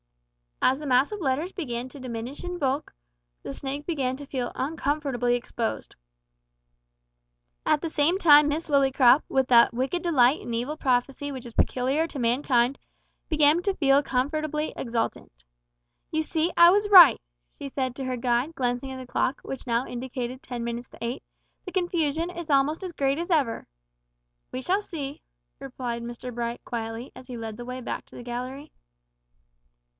As the mass of letters began to diminish in bulk the snake began to feel uncomfortably exposed. At the same time Miss Lillycrop, with that wicked delight in evil prophecy which is peculiar to mankind, began to feel comfortably exultant. "You see I was right!" she said to her guide, glancing at the clock, which now indicated ten minutes to eight; "the confusion is almost as great as ever." "We shall see," replied Mr Bright, quietly, as he led the way back to the gallery.